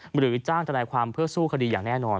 หรือจ้างทนายความเพื่อสู้คดีอย่างแน่นอน